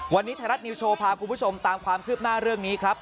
วันนี้ไทยรัฐนิวโชว์พาคุณผู้ชมตามความคืบหน้าเรื่องนี้ครับ